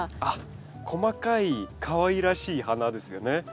あっ細かいかわいらしい花ですよね。